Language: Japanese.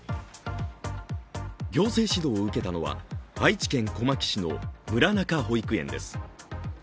行政指導を受けたのは、愛知県小牧市の村中保育園です。